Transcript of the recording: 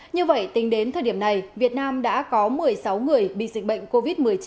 như vậy tính đến thời điểm này việt nam đã có một mươi sáu người bị dịch bệnh covid một mươi chín